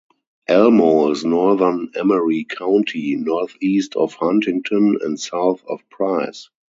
Elmo is in northern Emery County, northeast of Huntington, and south of Price.